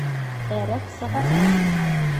Ә рәт сығасаҡ.